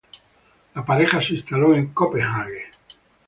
La pareja se instaló en Copenhague.